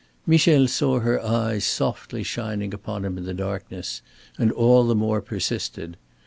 Michel saw her eyes softly shining upon him in the darkness, and all the more persisted.